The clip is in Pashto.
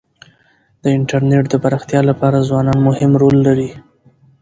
د انټرنيټ د پراختیا لپاره ځوانان مهم رول لري.